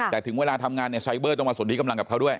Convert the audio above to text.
แต่ถึงเวลาทำงานเนี่ยไซเบอร์ต้องมาสนที่กำลังกับเขาด้วย